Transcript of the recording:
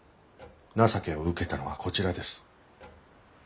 情けを受けたのはこちらです。